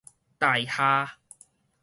大廈